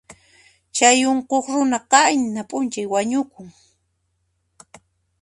Chay unquq runa qayna p'unchay wañukun.